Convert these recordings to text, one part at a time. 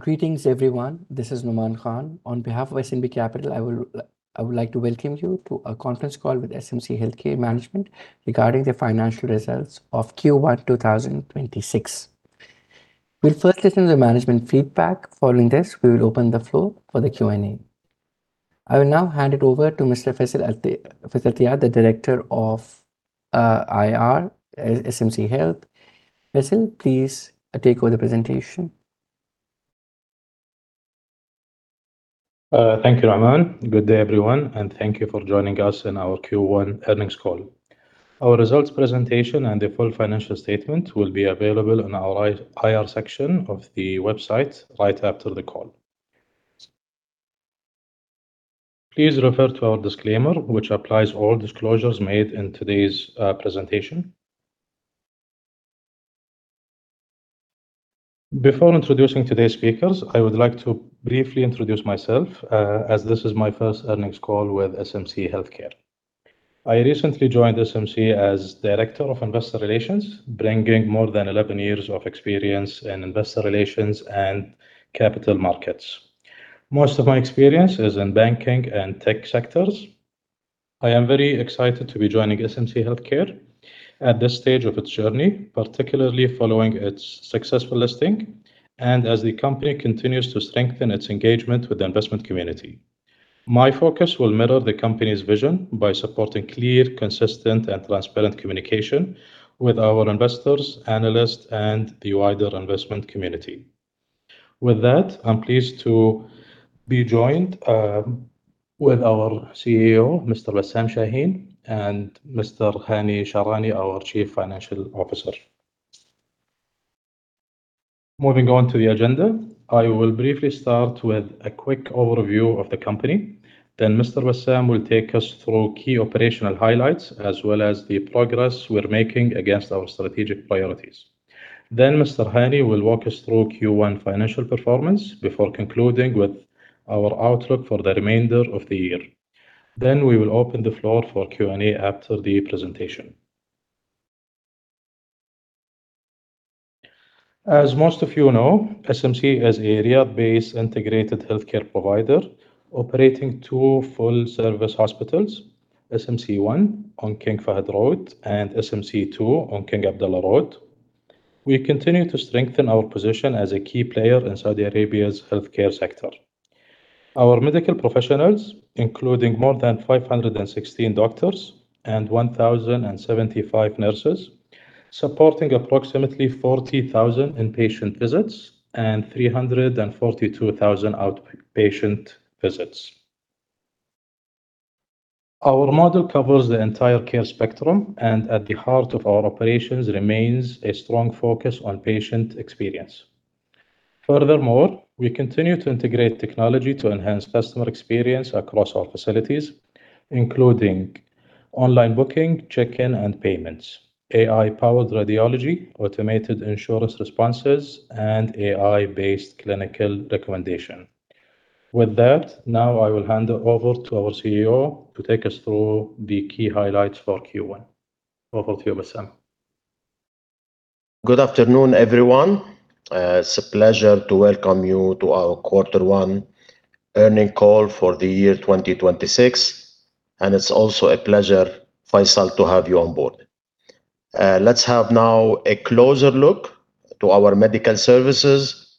Greetings, everyone. This is Numan Khan. On behalf of SMC Capital, I would like to welcome you to a conference call with SMC Healthcare management regarding the financial results of Q1 2026. We'll first listen to the management feedback. Following this, we will open the floor for the Q&A. I will now hand it over to Mr. Faisal Althayab, the Director of IR, SMC Health. Faisal, please take over the presentation. Thank you, Numan. Good day, everyone, and thank you for joining us in our Q1 earnings call. Our results presentation and the full financial statement will be available on our IR section of the website right after the call. Please refer to our disclaimer, which applies all disclosures made in today's presentation. Before introducing today's speakers, I would like to briefly introduce myself, as this is my first earnings call with SMC Healthcare. I recently joined SMC as Director of Investor Relations, bringing more than 11 years of experience in investor relations and capital markets. Most of my experience is in banking and tech sectors. I am very excited to be joining SMC Healthcare at this stage of its journey, particularly following its successful listing and as the company continues to strengthen its engagement with the investment community. My focus will mirror the company's vision by supporting clear, consistent, and transparent communication with our investors, analysts, and the wider investment community. With that, I'm pleased to be joined with our CEO, Mr. Bassam Shaheen, and Mr. Hani Shaarani, our Chief Financial Officer. Moving on to the agenda, I will briefly start with a quick overview of the company. Mr. Bassam will take us through key operational highlights, as well as the progress we're making against our strategic priorities. Mr. Hani will walk us through Q1 financial performance before concluding with our outlook for the remainder of the year. We will open the floor for Q&A after the presentation. As most of you know, SMC is a Riyadh-based integrated healthcare provider operating two full-service hospitals, SMC 1 on King Fahd Road and SMC 2 on King Abdullah Road. We continue to strengthen our position as a key player in Saudi Arabia's healthcare sector. Our medical professionals, including more than 516 doctors and 1,075 nurses, supporting approximately 40,000 inpatient visits and 342,000 outpatient visits. Our model covers the entire care spectrum, and at the heart of our operations remains a strong focus on patient experience. Furthermore, we continue to integrate technology to enhance customer experience across our facilities, including online booking, check-in and payments, AI-powered radiology, automated insurance responses, and AI-based clinical recommendation. With that, now I will hand over to our CEO to take us through the key highlights for Q1. Over to you, Bassam Shaheen. Good afternoon, everyone. It's a pleasure to welcome you to our Q1 earning call for the year 2026, and it's also a pleasure, Faisal, to have you on board. Let's have now a closer look to our medical services,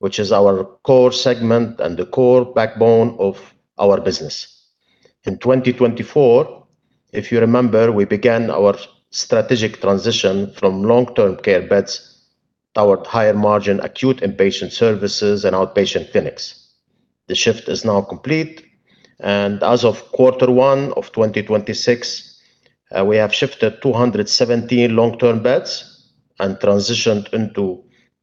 which is our core segment and the core backbone of our business. In 2024, if you remember, we began our strategic transition from long-term care beds toward higher margin acute inpatient services and outpatient clinics. The shift is now complete, and as of Q1 of 2026, we have shifted 270 long-term beds and transitioned into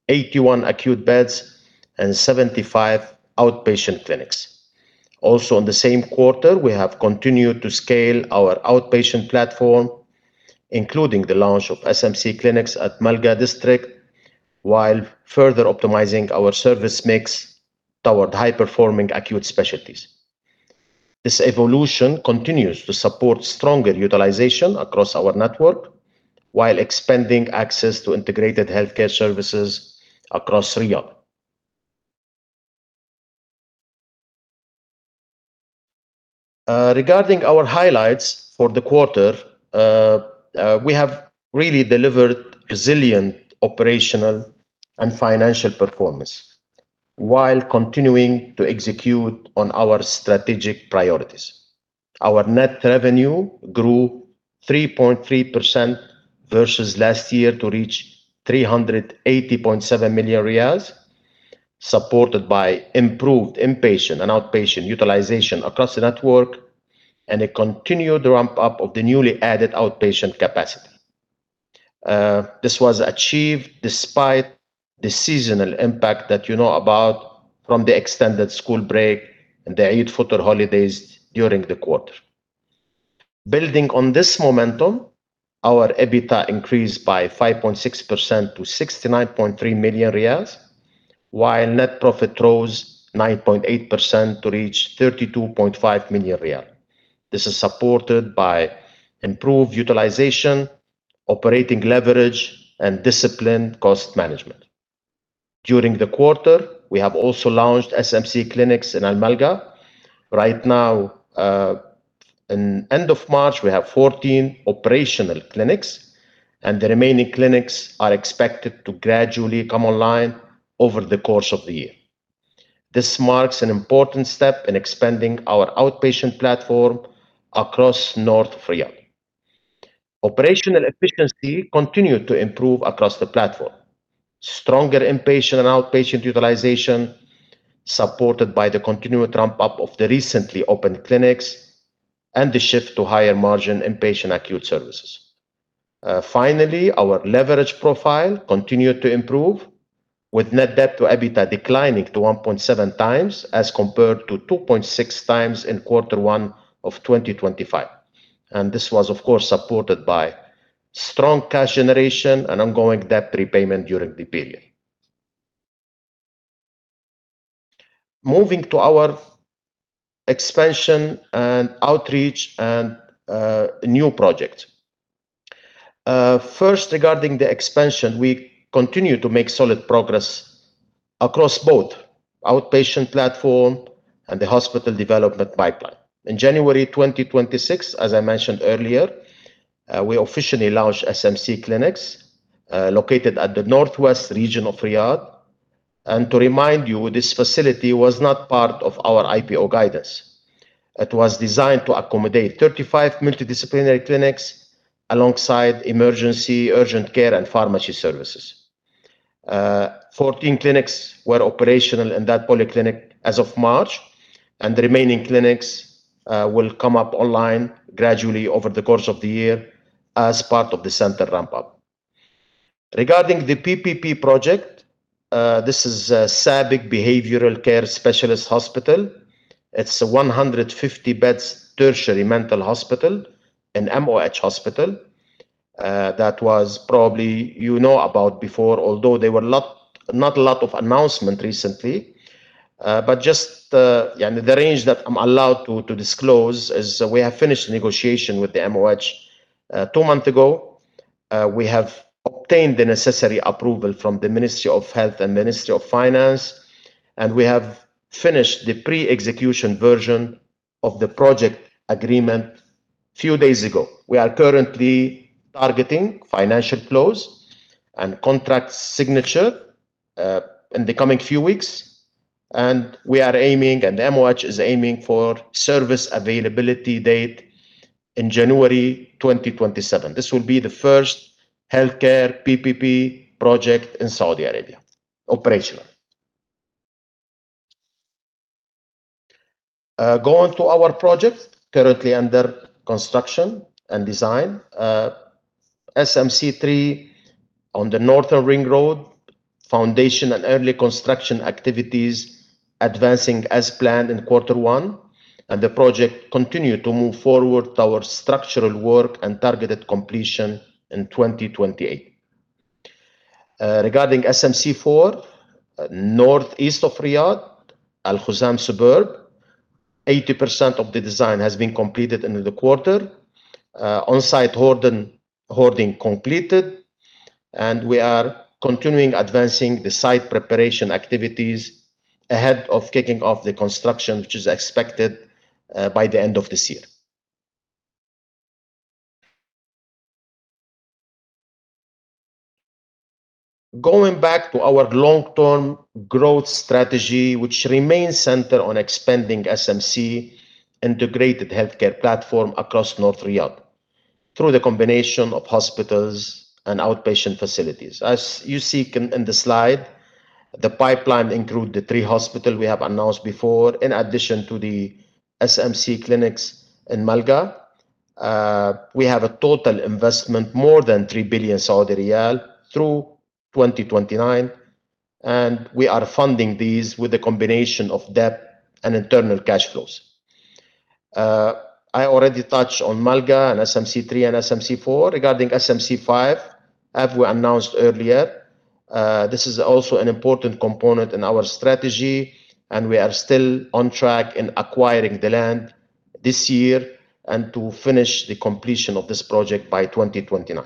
81 acute beds and 75 outpatient clinics. Also, in the same quarter, we have continued to scale our outpatient platform, including the launch of SMC clinics at Al Malqa District, while further optimizing our service mix toward high-performing acute specialties. This evolution continues to support stronger utilization across our network while expanding access to integrated healthcare services across Riyadh. Regarding our highlights for the quarter, we have really delivered resilient operational and financial performance while continuing to execute on our strategic priorities. Our net revenue grew 3.3% versus last year to reach 380.7 million riyals, supported by improved inpatient and outpatient utilization across the network and a continued ramp-up of the newly added outpatient capacity. This was achieved despite the seasonal impact that you know about from the extended school break and the Eid al-Fitr holidays during the quarter. Building on this momentum, our EBITDA increased by 5.6% to 69.3 million riyals, while net profit rose 9.8% to reach 32.5 million riyal. This is supported by improved utilization, operating leverage and disciplined cost management. During the quarter, we have also launched SMC clinics in Al Malqa. Right now, in end of March, we have 14 operational clinics, and the remaining clinics are expected to gradually come online over the course of the year. This marks an important step in expanding our outpatient platform across North Riyadh. Operational efficiency continued to improve across the platform. Stronger inpatient and outpatient utilization, supported by the continued ramp-up of the recently opened clinics and the shift to higher margin inpatient acute services. Finally, our leverage profile continued to improve, with net debt to EBITDA declining to 1.7 times as compared to 2.6 times in Q1 of 2025. This was, of course, supported by strong cash generation and ongoing debt repayment during the period. Moving to our expansion and outreach and new project. First, regarding the expansion, we continue to make solid progress across both outpatient platform and the hospital development pipeline. In January 2026, as I mentioned earlier, we officially launched SMC clinics, located at the northwest region of Riyadh. To remind you, this facility was not part of our IPO guidance. It was designed to accommodate 35 multidisciplinary clinics alongside emergency, urgent care, and pharmacy services. 14 clinics were operational in that polyclinic as of March, and the remaining clinics will come up online gradually over the course of the year as part of the center ramp-up. Regarding the PPP project, this is SABIC Behavioral Care Specialist Hospital. It's a 150 beds tertiary mental hospital, an MOH hospital, that was probably you know about before, although there were not a lot of announcement recently. Just, yeah, the range that I'm allowed to disclose is we have finished negotiation with the MOH, 2 month ago. We have obtained the necessary approval from the Ministry of Health and Ministry of Finance, we have finished the pre-execution version of the project agreement few days ago. We are currently targeting financial close and contract signature in the coming few weeks, we are aiming, and MOH is aiming for service availability date in January 2027. This will be the first healthcare PPP project in Saudi Arabia, operational. Going to our project currently under construction and design, SMC 3 on the Northern Ring Road, foundation and early construction activities advancing as planned in quarter 1, the project continue to move forward our structural work and targeted completion in 2028. Regarding SMC 4, northeast of Riyadh, Al Khuzam suburb, 80% of the design has been completed in the quarter. On-site hoarding completed, we are continuing advancing the site preparation activities ahead of kicking off the construction, which is expected by the end of this year. Going back to our long-term growth strategy, which remains centered on expanding SMC integrated healthcare platform across North Riyadh through the combination of hospitals and outpatient facilities. As you see in the slide, the pipeline include the 3 hospitals we have announced before, in addition to the SMC clinics in Malqa. We have a total investment more than 3 billion Saudi riyal through 2029, and we are funding these with a combination of debt and internal cash flows. I already touched on Malqa and SMC 3 and SMC 4. Regarding SMC 5, as we announced earlier, this is also an important component in our strategy, and we are still on track in acquiring the land this year and to finish the completion of this project by 2029.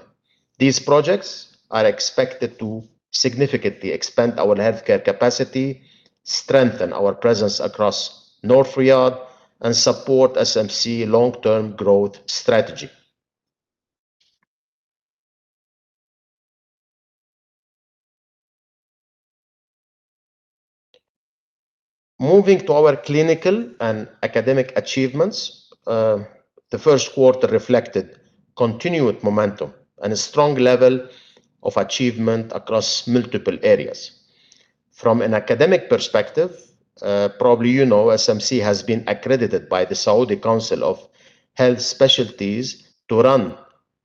These projects are expected to significantly expand our healthcare capacity, strengthen our presence across North Riyadh, and support SMC long-term growth strategy. Moving to our clinical and academic achievements, the first quarter reflected continued momentum and a strong level of achievement across multiple areas. From an academic perspective, you know SMC has been accredited by the Saudi Commission for Health Specialties to run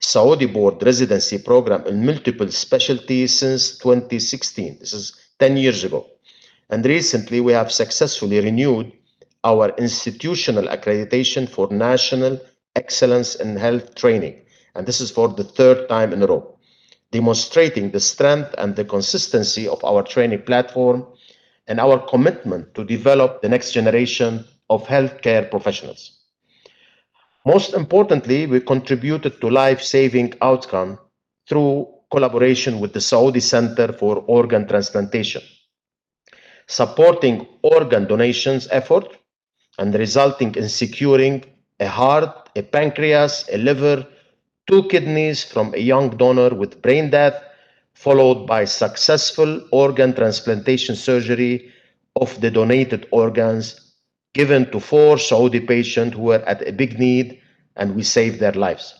Saudi Board residency program in multiple specialties since 2016. This is 10 years ago. Recently, we have successfully renewed our institutional accreditation for National Excellence in Health Training, and this is for the third time in a row. Demonstrating the strength and the consistency of our training platform and our commitment to develop the next generation of healthcare professionals. Most importantly, we contributed to life-saving outcome through collaboration with the Saudi Center for Organ Transplantation, supporting organ donations effort and resulting in securing a heart, a pancreas, a liver, 2 kidneys from a young donor with brain death, followed by successful organ transplantation surgery of the donated organs given to 4 Saudi patient who were at a big need, and we saved their lives.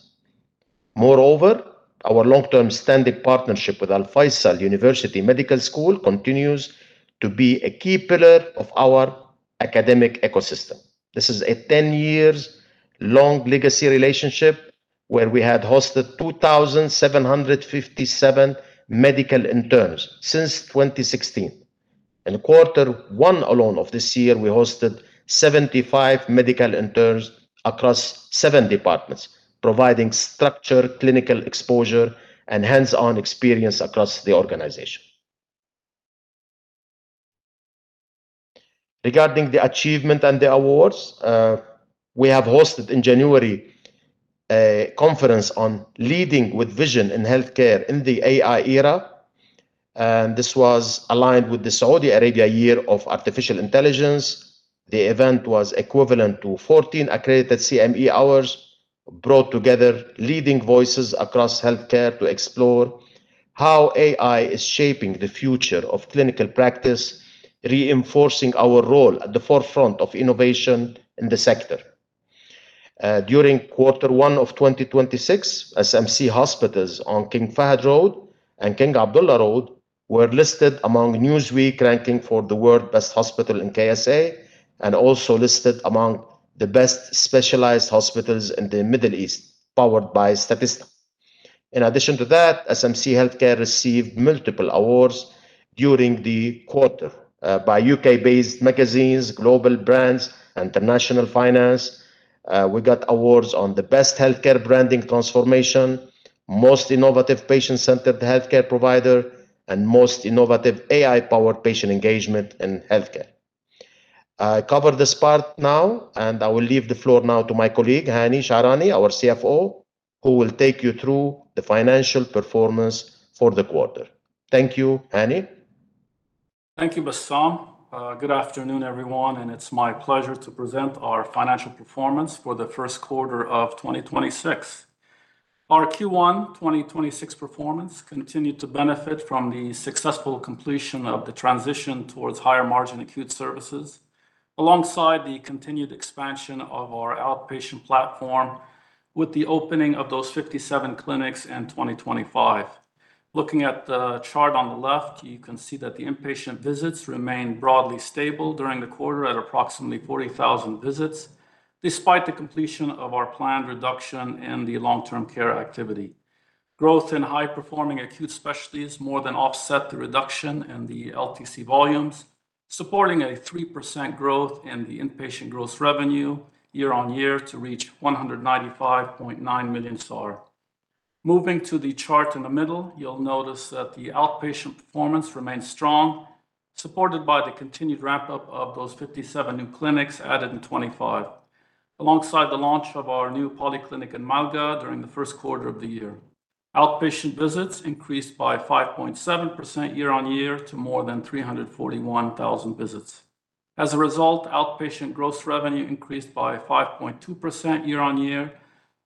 Our long-term standard partnership with Alfaisal University College of Medicine continues to be a key pillar of our academic ecosystem. This is a 10 years long legacy relationship where we had hosted 2,757 medical interns since 2016. In quarter 1 alone of this year, we hosted 75 medical interns across 7 departments, providing structured clinical exposure and hands-on experience across the organization. Regarding the achievement and the awards, we have hosted in January a conference on Leading with Vision in Healthcare in the AI Era. This was aligned with the Saudi Arabia Year of Artificial Intelligence. The event was equivalent to 14 accredited CME hours, brought together leading voices across healthcare to explore how AI is shaping the future of clinical practice, reinforcing our role at the forefront of innovation in the sector. During quarter 1 of 2026, SMC hospitals on King Fahd Road and King Abdullah Road were listed among Newsweek ranking for the world best hospital in KSA and also listed among the best specialized hospitals in the Middle East, powered by Statista. In addition to that, SMC Healthcare received multiple awards during the quarter by U.K.-based magazines, Global Brands, International Finance. We got awards on the Best Healthcare Branding Transformation, Most Innovative Patient-Centered Healthcare Provider, and Most Innovative AI-Powered Patient Engagement in Healthcare. I cover this part now, and I will leave the floor now to my colleague, Hani Shaarani, our CFO, who will take you through the financial performance for the quarter. Thank you. Hani? Thank you, Bassam. Good afternoon, everyone, and it's my pleasure to present our financial performance for the 1st quarter of 2026. Our Q1 2026 performance continued to benefit from the successful completion of the transition towards higher margin acute services alongside the continued expansion of our outpatient platform with the opening of those 57 clinics in 2025. Looking at the chart on the left, you can see that the inpatient visits remained broadly stable during the quarter at approximately 40,000 visits, despite the completion of our planned reduction in the long-term care activity. Growth in high-performing acute specialties more than offset the reduction in the LTC volumes, supporting a 3% growth in the inpatient gross revenue year-over-year to reach 195.9 million SAR. Moving to the chart in the middle, you'll notice that the outpatient performance remained strong, supported by the continued ramp-up of those 57 new clinics added in 2025. Alongside the launch of our new polyclinic in Al Malqa during the first quarter of the year. Outpatient visits increased by 5.7% year-on-year to more than 341,000 visits. As a result, outpatient gross revenue increased by 5.2% year-on-year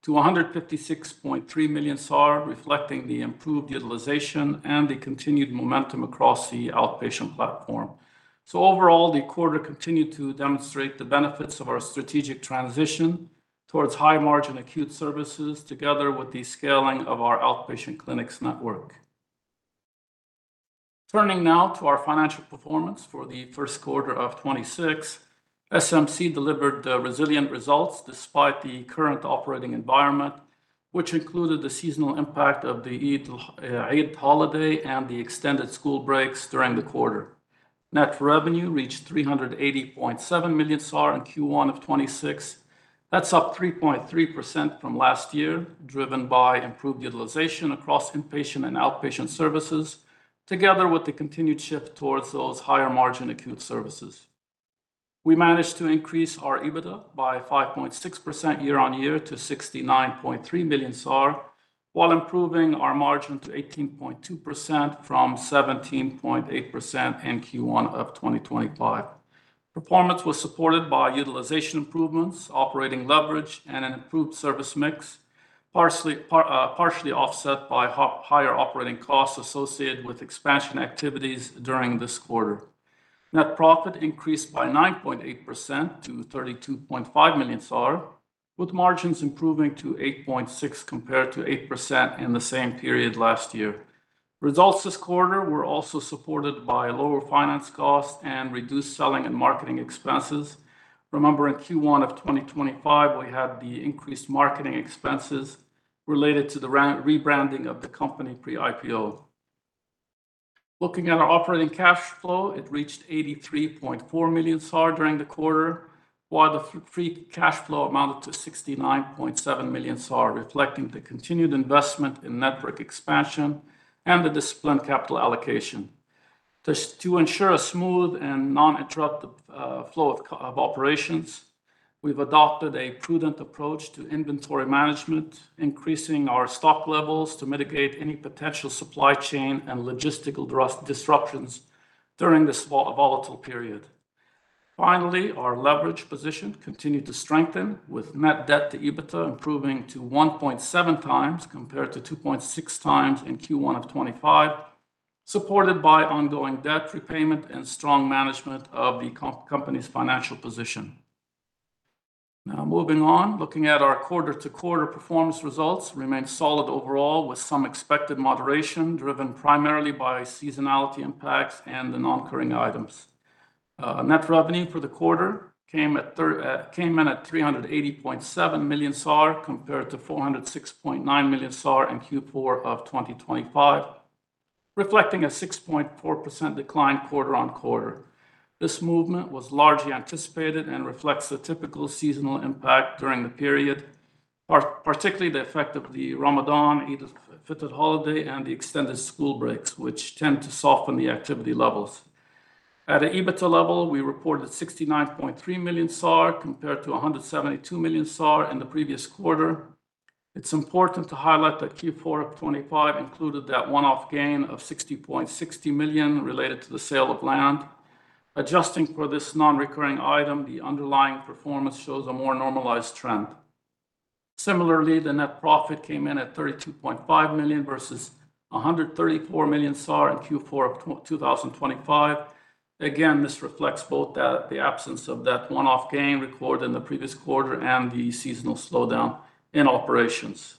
to 156.3 million SAR, reflecting the improved utilization and the continued momentum across the outpatient platform. Overall, the quarter continued to demonstrate the benefits of our strategic transition towards high margin acute services together with the scaling of our outpatient clinics network. Turning now to our financial performance for the first quarter of 2026, SMC delivered resilient results despite the current operating environment, which included the seasonal impact of the Eid holiday and the extended school breaks during the quarter. Net revenue reached 380.7 million SAR in Q1 of 2026. That's up 3.3% from last year, driven by improved utilization across inpatient and outpatient services, together with the continued shift towards those higher margin acute services. We managed to increase our EBITDA by 5.6% year-on-year to 69.3 million SAR, while improving our margin to 18.2% from 17.8% in Q1 of 2025. Performance was supported by utilization improvements, operating leverage, and an improved service mix, partially offset by higher operating costs associated with expansion activities during this quarter. Net profit increased by 9.8% to 32.5 million SAR, with margins improving to 8.6% compared to 8% in the same period last year. Results this quarter were also supported by lower finance costs and reduced selling and marketing expenses. Remember, in Q1 of 2025, we had the increased marketing expenses related to the rebranding of the company pre-IPO. Looking at our operating cash flow, it reached 83.4 million SAR during the quarter, while the free cash flow amounted to 69.7 million SAR, reflecting the continued investment in network expansion and the disciplined capital allocation. To ensure a smooth and uninterrupted flow of operations, we've adopted a prudent approach to inventory management, increasing our stock levels to mitigate any potential supply chain and logistical disruptions during this volatile period. Finally, our leverage position continued to strengthen with net debt to EBITDA improving to 1.7 times compared to 2.6 times in Q1 of 2025, supported by ongoing debt repayment and strong management of the company's financial position. Moving on. Looking at our quarter-over-quarter performance results remain solid overall with some expected moderation driven primarily by seasonality impacts and the non-recurring items. Net revenue for the quarter came in at 380.7 million SAR compared to 406.9 million SAR in Q4 of 2025, reflecting a 6.4% decline quarter-on-quarter. This movement was largely anticipated and reflects the typical seasonal impact during the period, particularly the effect of the Ramadan Eid al-Fitr holiday and the extended school breaks, which tend to soften the activity levels. At the EBITDA level, we reported 69.3 million SAR compared to 172 million SAR in the previous quarter. It's important to highlight that Q4 of 2025 included that one-off gain of 60.6 million related to the sale of land. Adjusting for this non-recurring item, the underlying performance shows a more normalized trend. The net profit came in at 32.5 million versus 134 million SAR in Q4 of 2025. This reflects both the absence of that one-off gain recorded in the previous quarter and the seasonal slowdown in operations.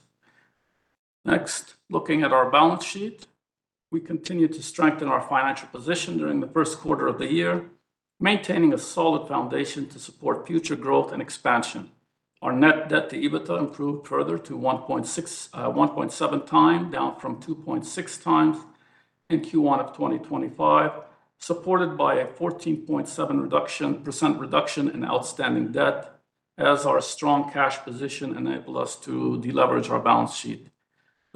Looking at our balance sheet. We continued to strengthen our financial position during the first quarter of the year, maintaining a solid foundation to support future growth and expansion. Our net debt to EBITDA improved further to 1.6, 1.7 times, down from 2.6 times in Q1 of 2025, supported by a 14.7% reduction in outstanding debt as our strong cash position enabled us to deleverage our balance sheet.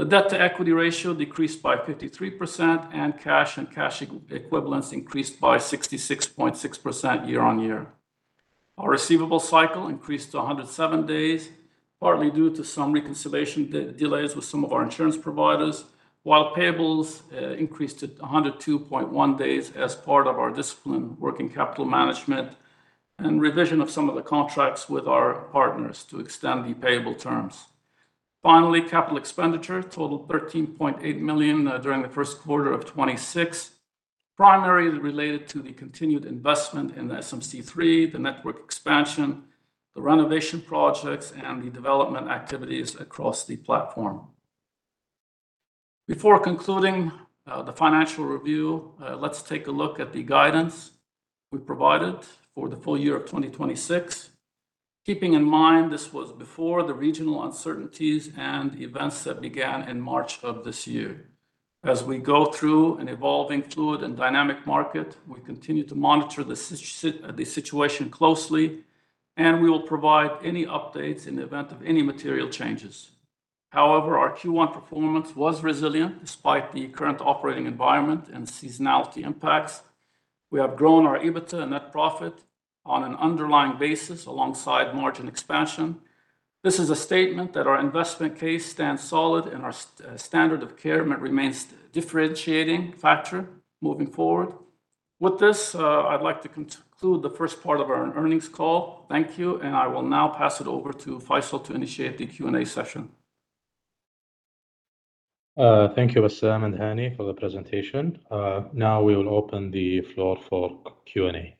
The debt-to-equity ratio decreased by 53%, and cash and cash equivalents increased by 66.6% year on year. Our receivable cycle increased to 107 days, partly due to some reconciliation delays with some of our insurance providers. While payables increased to 102.1 days as part of our disciplined working capital management and revision of some of the contracts with our partners to extend the payable terms. Finally, capital expenditure totaled 13.8 million during the first quarter of 2026, primarily related to the continued investment in the SMC 3, the network expansion, the renovation projects, and the development activities across the platform. Before concluding the financial review, let's take a look at the guidance we provided for the full year of 2026, keeping in mind this was before the regional uncertainties and the events that began in March of this year. As we go through an evolving fluid and dynamic market, we continue to monitor the situation closely, and we will provide any updates in the event of any material changes. However, our Q1 performance was resilient despite the current operating environment and seasonality impacts. We have grown our EBITDA and net profit on an underlying basis alongside margin expansion. This is a statement that our investment case stands solid and our standard of care remains differentiating factor moving forward. With this, I'd like to conclude the first part of our earnings call. Thank you, and I will now pass it over to Faisal to initiate the Q&A session. Thank you, Bassam and Hani, for the presentation. Now we will open the floor for Q&A.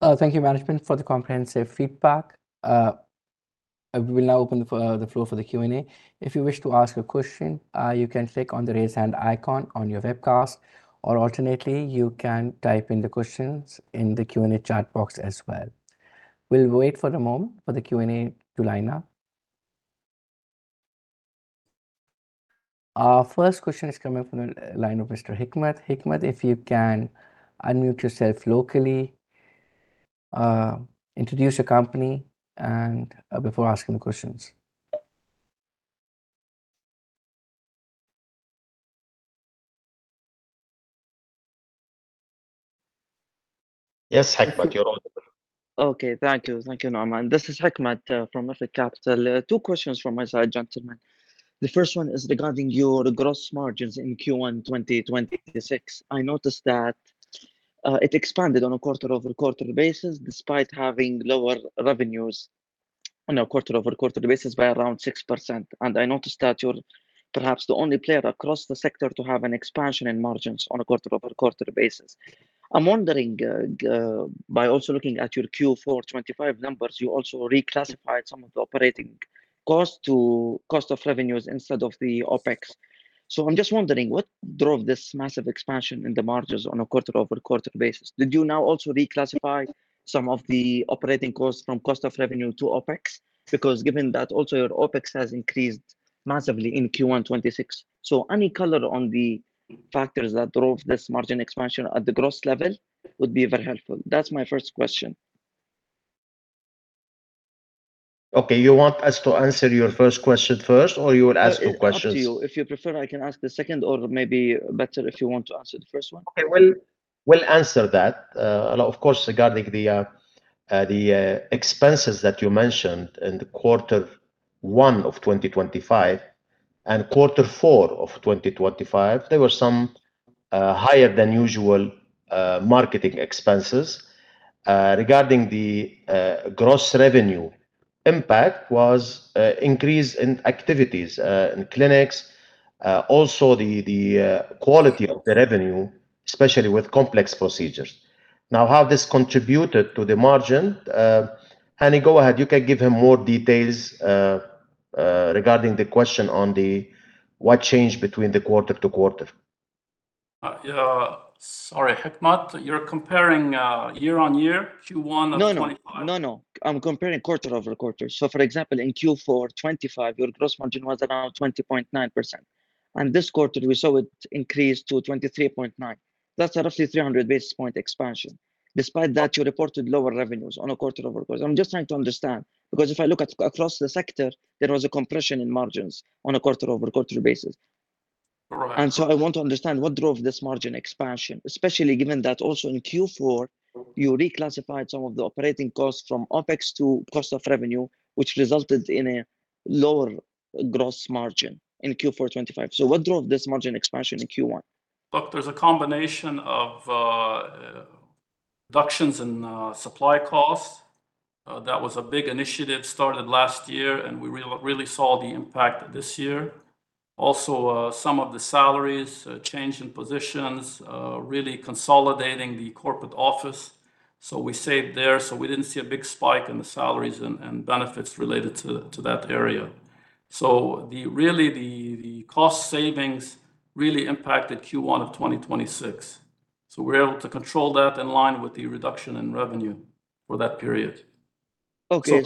Thank you, management, for the comprehensive feedback. I will now open the floor for the Q&A. If you wish to ask a question, you can click on the Raise Hand icon on your webcast, or alternately, you can type in the questions in the Q&A chat box as well. We'll wait for a moment for the Q&A to line up. Our first question is coming from the line of Mr. Hikmat. Hikmat, if you can unmute yourself locally, introduce your company and, before asking the questions. Yes, Hikmat, you're on. Okay. Thank you. Thank you, Numan Khan. This is Hikmat from Ethica Capital. 2 questions from my side, gentlemen. The first one is regarding your gross margins in Q1 2026. I noticed that it expanded on a quarter-over-quarter basis despite having lower revenues on a quarter-over-quarter basis by around 6%. I noticed that you're perhaps the only player across the sector to have an expansion in margins on a quarter-over-quarter basis. I'm wondering, by also looking at your Q4 2025 numbers, you also reclassified some of the operating costs to cost of revenues instead of the OpEx. I'm just wondering, what drove this massive expansion in the margins on a quarter-over-quarter basis? Did you now also reclassify some of the operating costs from cost of revenue to OpEx? Given that also your OpEx has increased massively in Q1 2026. Any color on the factors that drove this margin expansion at the gross level? Would be very helpful. That's my first question. Okay, you want us to answer your first question first, or you will ask your questions? It's up to you. If you prefer, I can ask the second or maybe better if you want to answer the first one. Okay. We'll answer that. Of course, regarding the expenses that you mentioned in the quarter 1 of 2025 and quarter 4 of 2025, there were some higher than usual marketing expenses. Regarding the gross revenue impact was increase in activities in clinics, also the quality of the revenue, especially with complex procedures. Now, how this contributed to the margin, Hani, go ahead. You can give him more details regarding the question on the what changed between the quarter-to-quarter. Sorry, Hikmat, you're comparing year-on-year, Q1 of 25? No, no. No, no. I'm comparing quarter-over-quarter. For example, in Q4 2025, your gross margin was around 20.9%, and this quarter we saw it increase to 23.9%. That's roughly 300 basis point expansion. Despite that, you reported lower revenues on a quarter-over-quarter. I'm just trying to understand, because if I look at across the sector, there was a compression in margins on a quarter-over-quarter basis. Right. I want to understand what drove this margin expansion, especially given that also in Q4, you reclassified some of the operating costs from OpEx to cost of revenue, which resulted in a lower gross margin in Q4 2025. What drove this margin expansion in Q1? Look, there's a combination of reductions in supply costs. That was a big initiative started last year, and we really saw the impact this year. Also, some of the salaries change in positions really consolidating the corporate office. We saved there, so we didn't see a big spike in the salaries and benefits related to that area. The cost savings really impacted Q1 of 2026. We're able to control that in line with the reduction in revenue for that period. Okay.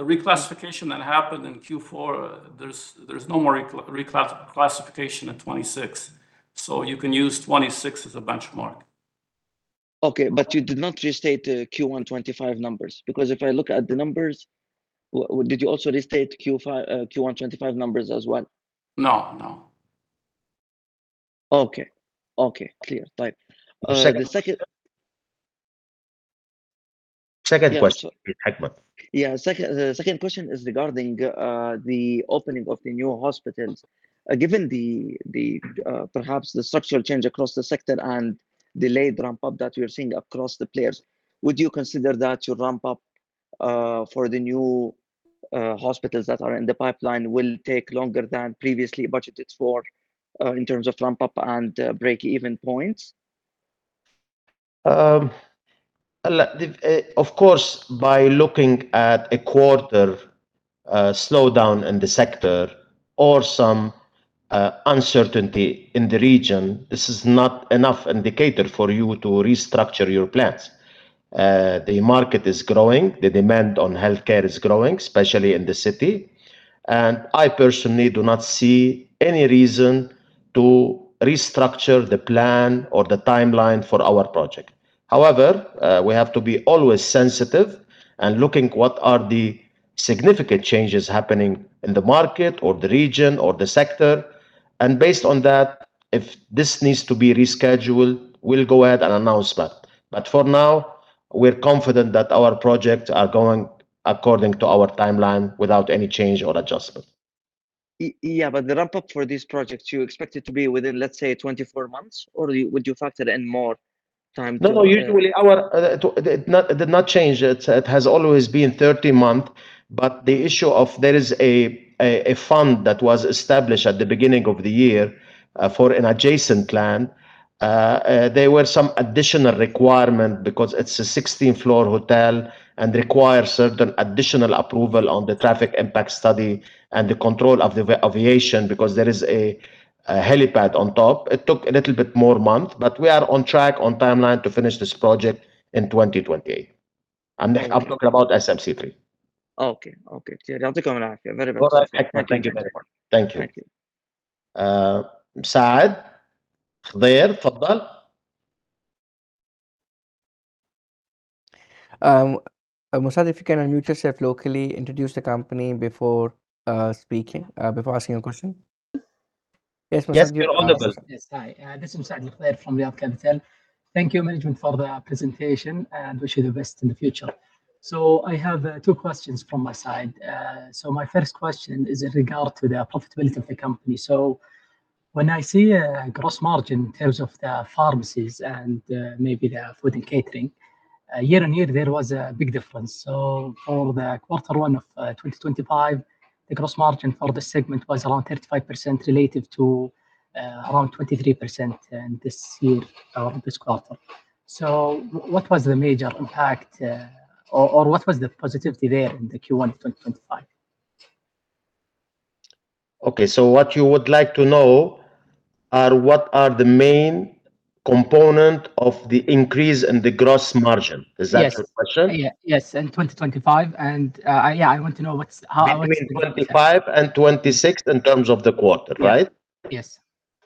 The reclassification that happened in Q4, there's no more reclassification in 26. You can use 26 as a benchmark. Okay, you did not restate the Q1 2025 numbers, because if I look at the numbers, did you also restate Q1 2025 numbers as well? No, no. Okay. Okay, clear. Right. Second question, Hikmat. The second question is regarding the opening of the new hospitals. Given the perhaps the structural change across the sector and delayed ramp up that we are seeing across the players, would you consider that your ramp up for the new hospitals that are in the pipeline will take longer than previously budgeted for in terms of ramp up and break-even points? The, of course, by looking at a quarter slowdown in the sector or some uncertainty in the region, this is not enough indicator for you to restructure your plans. The market is growing. The demand on healthcare is growing, especially in the city. I personally do not see any reason to restructure the plan or the timeline for our project. However, we have to be always sensitive and looking what are the significant changes happening in the market or the region or the sector. Based on that, if this needs to be rescheduled, we'll go ahead and announce that. For now, we're confident that our projects are going according to our timeline without any change or adjustment. Yeah, the ramp up for these projects, you expect it to be within, let's say, 24 months, or would you factor in more time? No, no. Usually our, It did not change. It has always been 30 month. The issue of there is a fund that was established at the beginning of the year for an adjacent plan. There were some additional requirement because it's a 16-floor hotel and require certain additional approval on the traffic impact study and the control of the aviation because there is a helipad on top. It took a little bit more month, but we are on track, on timeline to finish this project in 2028. I'm talking about SMC 3. Okay. Okay. Clear. Thank you. Thank you. Saad Khdair, Saad, if you can unmute yourself locally, introduce the company before speaking, before asking a question. Yes, you're on, Saad. Yes. Hi, this is Saad Khdair from Riyad Capital. Thank you, management, for the presentation, and wish you the best in the future. I have two questions from my side. My first question is in regard to the profitability of the company. When I see a gross margin in terms of the pharmacies and maybe the food and catering, year-on-year, there was a big difference. For the quarter one of 2025, the gross margin for the segment was around 35% relative to around 23% in this year, this quarter. What was the major impact or what was the positivity there in the Q1 2025? Okay, what you would like to know are what are the main component of the increase in the gross margin? Is that the question? Yes. Yeah. Yes, in 2025, and yeah, I want to know what's. Between 25 and 26 in terms of the quarter, right? Yeah. Yes.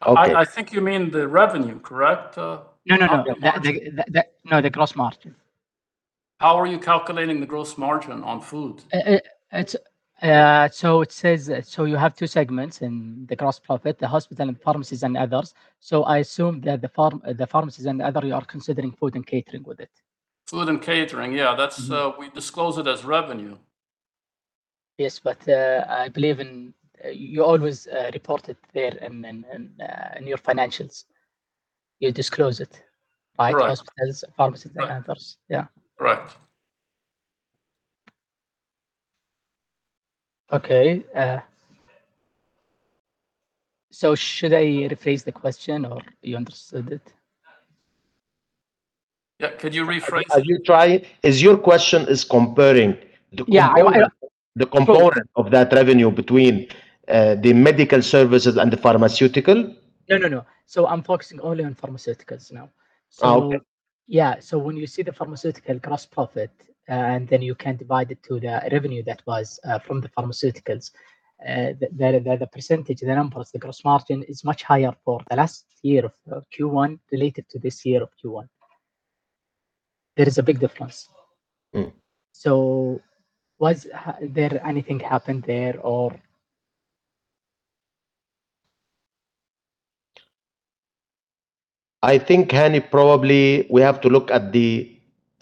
Okay. I think you mean the revenue, correct? No. The, no, the gross margin How are you calculating the gross margin on food? It says you have two segments in the gross profit, the hospital and pharmacies and others. I assume that the pharmacies and other, you are considering food and catering with it. Food and catering, yeah. That's, we disclose it as revenue. Yes, but, I believe in, you always, report it there in your financials. You disclose it. Right by hospitals, pharmacies and others. Yeah. Right. Okay, should I rephrase the question, or you understood it? Yeah, could you rephrase? Could you try, is your question is comparing the component? Yeah. The component of that revenue between the medical services and the pharmaceutical? No, no. I'm focusing only on pharmaceuticals now. Okay. When you see the pharmaceutical gross profit, and then you can divide it to the revenue that was from the pharmaceuticals, the percentage, the numbers, the gross margin is much higher for the last year of Q1 related to this year of Q1. There is a big difference. Was there anything happened there or? I think, Hani, probably we have to look at the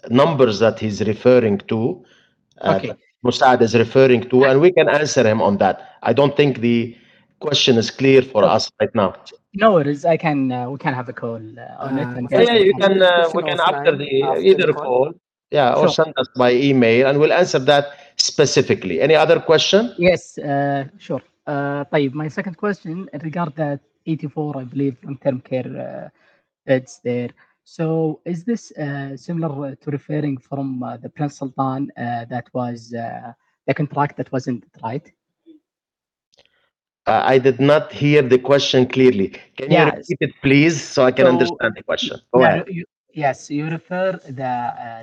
numbers that he's referring to. Okay Mussaed is referring to, and we can answer him on that. I don't think the question is clear for us right now. No, it is. We can have a call on it. Yeah, you can, we can after the Eid call. Sure yeah, or send us by email, and we'll answer that specifically. Any other question? Yes, sure. Taib, my second question in regard that 84, I believe, in long-term care, beds there. Is this similar to referring from the Prince Sultan that was the contract that wasn't right? I did not hear the question clearly. Yes. Can you repeat it, please, so I can understand the question? So- Go ahead. You, yes, you refer the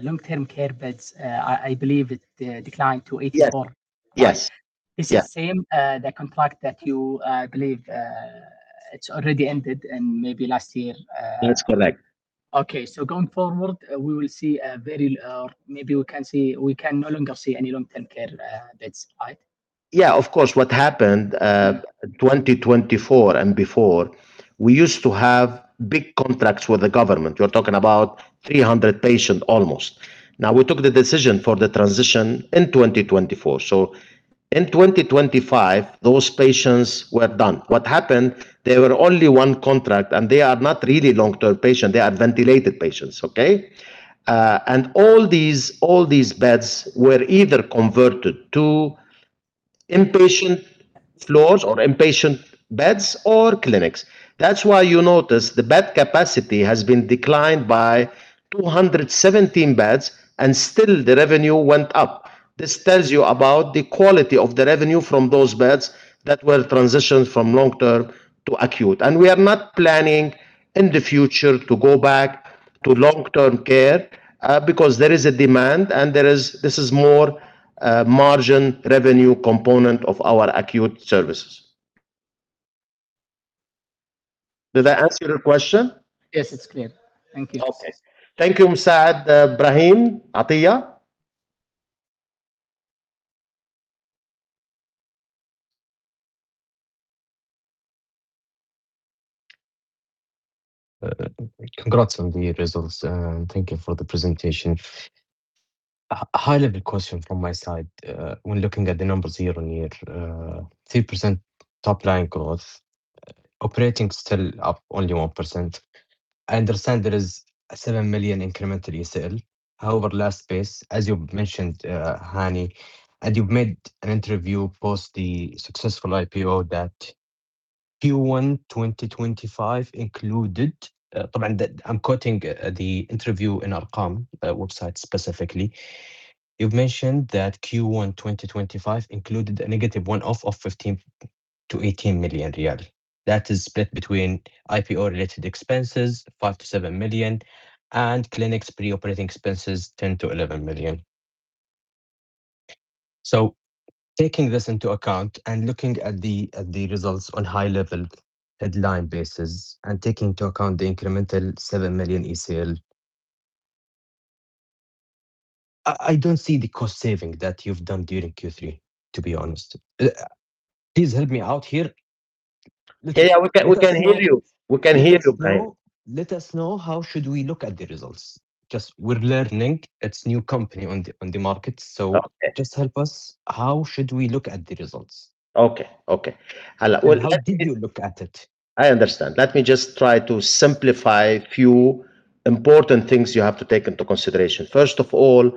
long-term care beds. I believe it declined to 84. Yes. Yes. Yeah. Is it same, the contract that you believe, it's already ended in maybe last year? That's correct. Okay. Going forward, we can no longer see any long-term care beds, right? Of course. What happened, 2024 and before, we used to have big contracts with the government. You're talking about 300 patient almost. We took the decision for the transition in 2024. In 2025, those patients were done. What happened, they were only 1 contract, and they are not really long-term patient. They are ventilated patients. And all these beds were either converted to inpatient floors or inpatient beds or clinics. That's why you notice the bed capacity has been declined by 217 beds, and still the revenue went up. This tells you about the quality of the revenue from those beds that were transitioned from long-term to acute. We are not planning in the future to go back to long-term care, because there is a demand and there is, this is more, margin revenue component of our acute services. Did I answer your question? Yes, it's clear. Thank you. Okay. Thank you, Mussaed. Ibrahim Attia. Congrats on the results, and thank you for the presentation. A high-level question from my side, when looking at the numbers year-over-year, 3% top line growth, operating still up only 1%. I understand there is a 7 million incremental ECL. However, last piece, as you mentioned, Hani, and you've made an interview post the successful IPO that Q1 2025 included, I'm quoting the interview in Arqaam Capital website specifically. You've mentioned that Q1 2025 included a negative one-off of SAR 15 million-SAR 18 million. That is split between IPO-related expenses, 5 million-7 million, and SMC clinics pre-operating expenses, 10 million-11 million. Taking this into account and looking at the results on high level headline basis and taking into account the incremental 7 million ECL, I don't see the cost saving that you've done during Q3, to be honest. Please help me out here. Yeah, we can hear you. We can hear you, Ibrahim. Let us know how should we look at the results. Just we're learning. It's new company on the market. Okay just help us. How should we look at the results? Okay. Okay. Hello. How did you look at it? I understand. Let me just try to simplify few important things you have to take into consideration. First of all,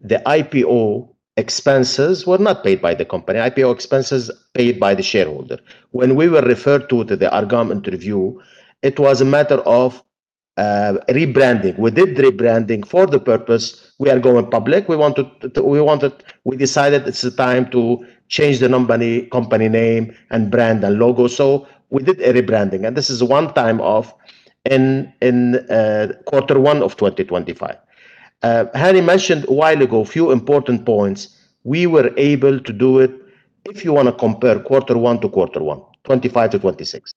the IPO expenses were not paid by the company. IPO expenses paid by the shareholder. When we were referred to the Arqaam Capital interview, it was a matter of rebranding. We did rebranding for the purpose. We are going public. We decided it's the time to change the company name and brand and logo. We did a rebranding, and this is one time off in Q1 of 2025. Hani mentioned a while ago few important points. We were able to do it, if you wanna compare Q1 to Q1, 25 to 26.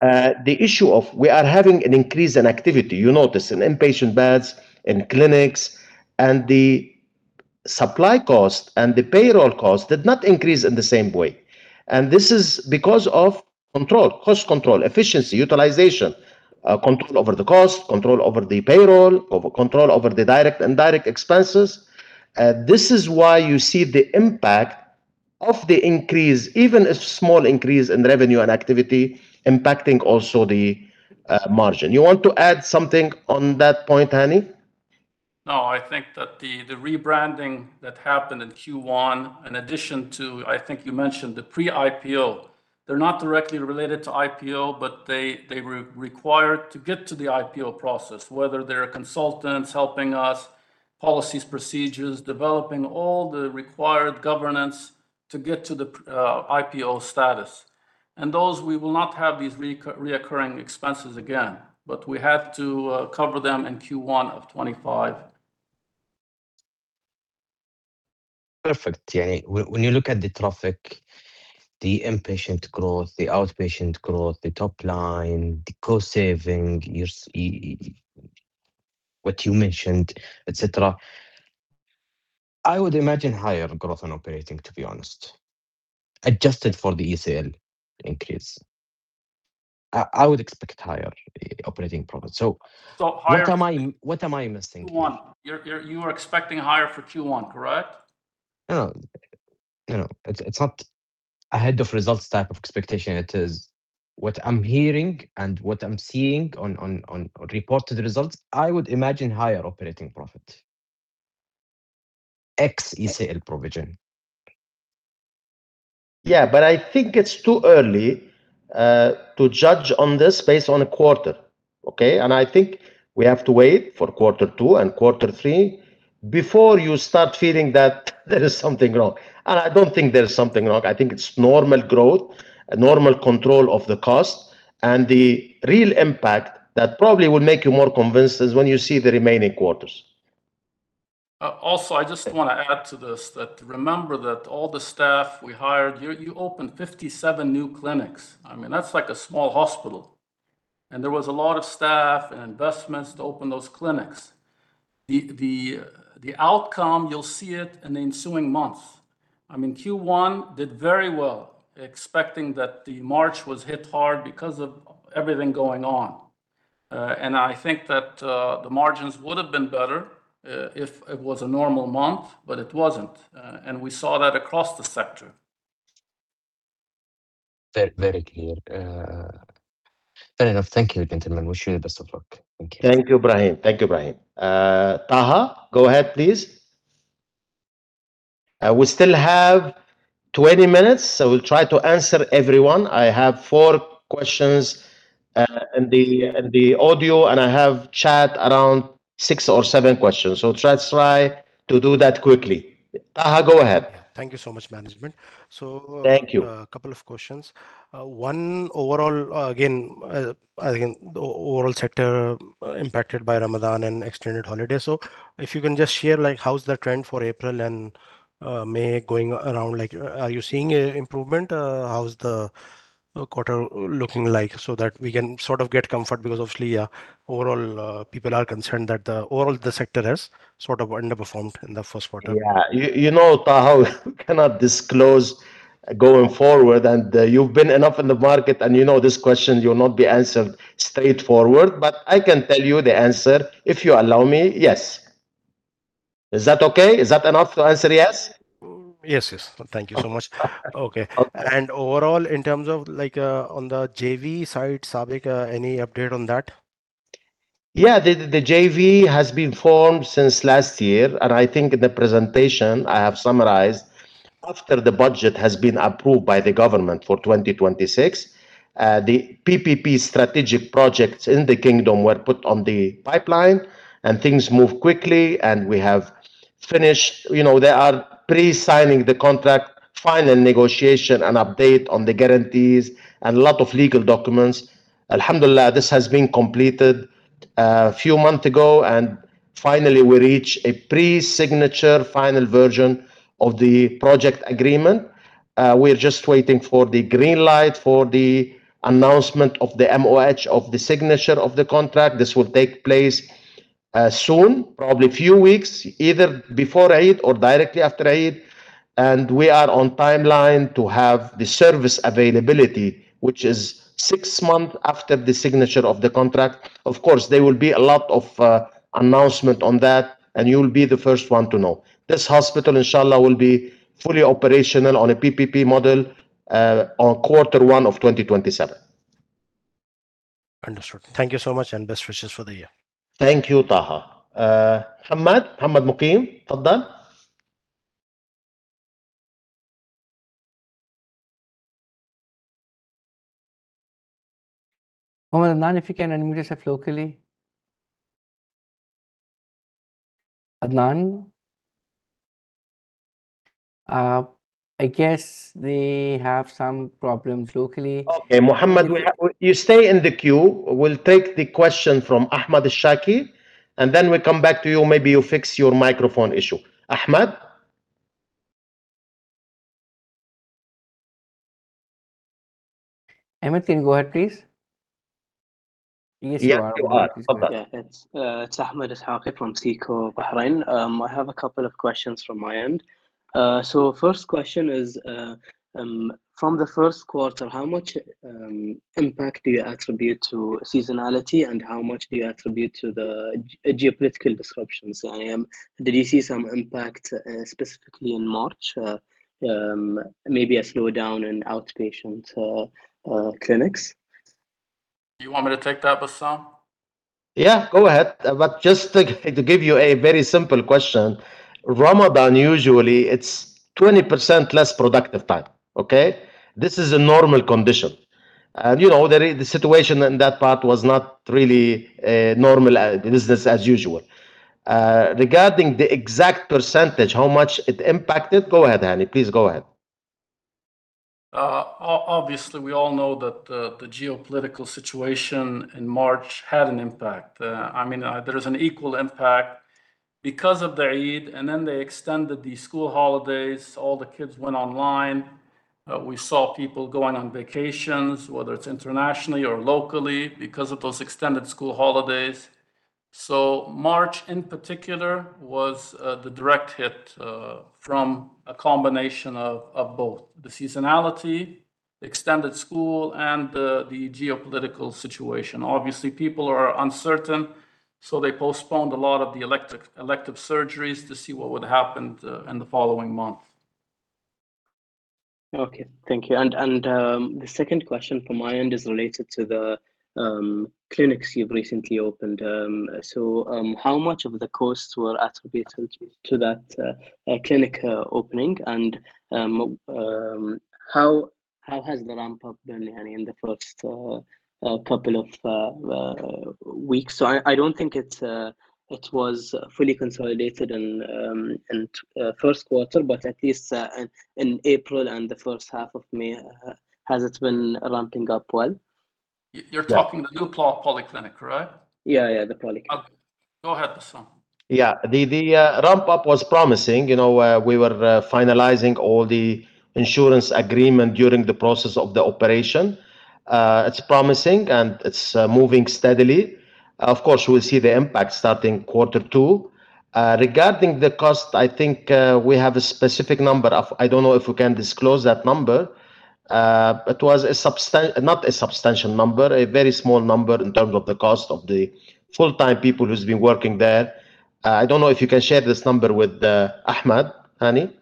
The issue of we are having an increase in activity. You notice in inpatient beds, in clinics, the supply cost and the payroll cost did not increase in the same way. This is because of control, cost control, efficiency, utilization, control over the cost, control over the payroll, control over the direct and indirect expenses. This is why you see the impact of the increase, even a small increase in revenue and activity impacting also the margin. You want to add something on that point, Hani? I think that the rebranding that happened in Q1, in addition to I think you mentioned the pre-IPO, they're not directly related to IPO, but they required to get to the IPO process, whether they're consultants helping us, policies, procedures, developing all the required governance to get to the IPO status. Those we will not have these reoccurring expenses again, but we have to cover them in Q1 of 2025. Perfect. When you look at the traffic, the inpatient growth, the outpatient growth, the top line, the cost saving, what you mentioned, et cetera, I would imagine higher growth on operating, to be honest, adjusted for the ECL increase. I would expect higher operating profit. So higher- What am I missing here? You are expecting higher for Q1, correct? No. No, it's not a head of results type of expectation. It is what I'm hearing and what I'm seeing on reported results, I would imagine higher operating profit. Ex ECL provision. Yeah, I think it's too early to judge on this based on a quarter. Okay? I think we have to wait for quarter 2 and quarter 3 before you start feeling that there is something wrong. I don't think there's something wrong. I think it's normal growth, normal control of the cost, and the real impact that probably will make you more convinced is when you see the remaining quarters. Also I just wanna add to this that remember that all the staff we hired, you opened 57 new clinics. I mean, that's like a small hospital, and there was a lot of staff and investments to open those clinics. The outcome, you'll see it in the ensuing months. I mean, Q1 did very well, expecting that the March was hit hard because of everything going on. I think that the margins would have been better if it was a normal month, but it wasn't. We saw that across the sector. Very, very clear. Fair enough. Thank you, gentlemen. Wish you the best of luck. Thank you. Thank you, Ibrahim. Taha, go ahead, please. We still have 20 minutes, so we'll try to answer everyone. I have 4 questions in the audio, and I have chat around 6 or 7 questions. Let's try to do that quickly. Taha, go ahead. Thank you so much, management. Thank you. A couple of questions. 1, overall, again, the overall sector impacted by Ramadan and extended holiday. If you can just share, like, how's the trend for April and May going around? Like, are you seeing improvement? How's the quarter looking like? That we can sort of get comfort because obviously, overall, people are concerned that the overall sector has sort of underperformed in the first quarter. Yeah. You know, Taha, we cannot disclose going forward, and you've been enough in the market, and you know this question you'll not be answered straightforward. I can tell you the answer if you allow me, yes. Is that okay? Is that enough to answer yes? Yes. Yes. Thank you so much. Okay. Okay. Overall, in terms of like, on the JV side, SABIC, any update on that? The JV has been formed since last year. I think the presentation I have summarized after the budget has been approved by the government for 2026. The PPP strategic projects in the kingdom were put on the pipeline. Things move quickly, and we have finished. You know, they are pre-signing the contract, final negotiation and update on the guarantees and a lot of legal documents. Alhamdulillah, this has been completed a few months ago. Finally, we reach a pre-signature final version of the project agreement. We're just waiting for the green light for the announcement of the MOH of the signature of the contract. This will take place soon, probably a few weeks, either before Eid or directly after Eid. We are on timeline to have the service availability, which is 6 months after the signature of the contract. Of course, there will be a lot of announcement on that, and you'll be the first one to know. This hospital, Inshallah, will be fully operational on a PPP model, on quarter one of 2027. Understood. Thank you so much, and best wishes for the year. Thank you, Taha. Mohammed. Mohammed Muqeem, Fadlan. Mohammed Adnan, if you can unmute yourself locally. Adnan? I guess they have some problems locally. Okay. Mohammed, you stay in the queue. We'll take the question from Ahmed El-Shaki, then we come back to you. Maybe you fix your microphone issue. Ahmed? Ahmed can go ahead, please. Yes, you are. Yeah. You are. Go ahead. It's Ahmed Ishak from SICO Bahrain. I have a couple of questions from my end. First question is, from the first quarter, how much impact do you attribute to seasonality, and how much do you attribute to the geopolitical disruptions? Did you see some impact specifically in March, maybe a slowdown in outpatient clinics? You want me to take that, Bassam? Yeah. Go ahead. Just to give you a very simple question, Ramadan usually it is 20% less productive time. Okay. This is a normal condition. You know, the situation in that part was not really normal as business as usual. Regarding the exact percentage, how much it impacted, go ahead, Hani. Please go ahead. Obviously, we all know that the geopolitical situation in March had an impact. I mean, there is an equal impact because of the Eid, then they extended the school holidays, all the kids went online. We saw people going on vacations, whether it is internationally or locally because of those extended school holidays. March in particular was the direct hit from a combination of both the seasonality, the extended school, and the geopolitical situation. Obviously, people are uncertain, so they postponed a lot of the elective surgeries to see what would happen in the following month. Okay. Thank you. The 2nd question from my end is related to the clinics you've recently opened. How much of the costs were attributed to that clinic opening? How has the ramp-up been, Hani, in the 1st 2 weeks? I don't think it was fully consolidated in 1st quarter, but at least in April and the 1st half of May, has it been ramping up well? Yeah. You're talking the new polyclinic, right? Yeah, yeah, the polyclinic. Okay. Go ahead, Bassam. The ramp-up was promising. You know, we were finalizing all the insurance agreement during the process of the operation. It's promising, and it's moving steadily. Of course, we'll see the impact starting quarter 2. Regarding the cost, I think, we have a specific number of I don't know if we can disclose that number. It was not a substantial number, a very small number in terms of the cost of the full-time people who's been working there. I don't know if you can share this number with Ahmed, Hani?